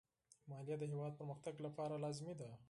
مالیه د هېواد پرمختګ لپاره لازمي ده.